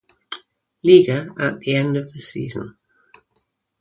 Liga at the end of the season.